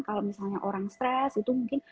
kalau misalnya orang stres itu mungkin